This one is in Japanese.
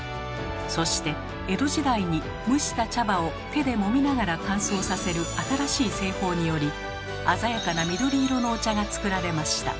そして江戸時代に蒸した茶葉を手でもみながら乾燥させる新しい製法により鮮やかな緑色のお茶が作られました。